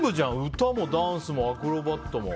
歌もダンスもアクロバットも。